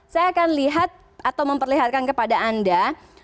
saya akan lihat atau memperlihatkan kepada anda